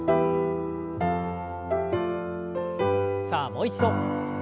さあもう一度。